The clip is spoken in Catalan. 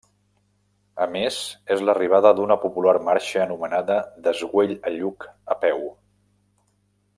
A més, és l'arribada d'una popular marxa anomenada Des Güell a Lluc a peu.